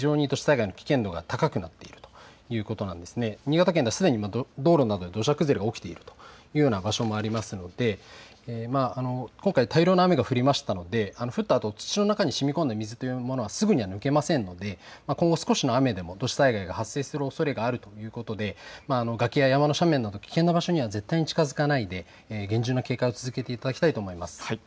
新潟県ではすでに道路など土砂崩れが起きているという場所もありますので今回、大量の雨が降りましたので降ったあと、土の中にしみこんだ水はすぐには抜けませんので今後少しの雨でも土砂災害が発生するおそれがあるということで崖や山の斜面など危険な場所には絶対に近づかないで厳重な警戒を続けていただきたいと思います。